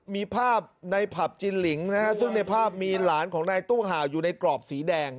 มีภาพในผับจินหลิงนะฮะซึ่งในภาพมีหลานของนายตู้ห่าวอยู่ในกรอบสีแดง